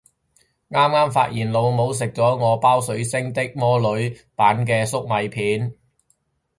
啱啱發現老母食咗我包水星的魔女版嘅粟米片